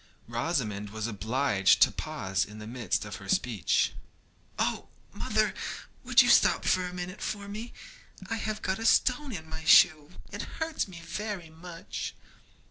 Rosamond was obliged to pause in the midst of her speech. 'Oh, mother, would you stop a minute for me? I have got a stone in my shoe; it hurts me very much.'